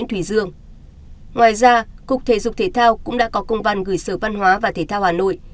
ngoài ra cục thể dục thể thao cũng đã có công văn gửi sở văn hóa và thể thao hà nội